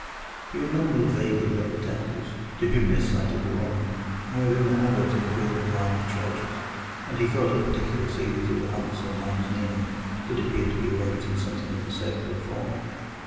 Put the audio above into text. He remembered vaguely that the Templars, to whom this site had belonged, were in the habit of building round churches, and he thought a particular series of the humps or mounds near him did appear to be arranged in something of a circular form.